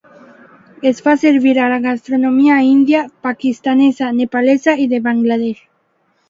Es fa servir a la gastronomia índia, pakistanesa, nepalesa i de Bangladesh.